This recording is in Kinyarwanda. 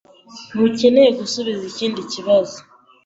Ntukeneye gusubiza ikindi kibazo.